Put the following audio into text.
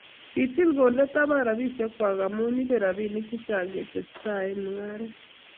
kitil konde taban basisiekwach amu ibei robinik che chang' ketestai ak mung'aret.